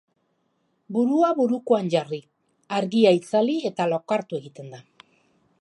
Burua burukoan jarri, argia itzali eta lokartu egiten da.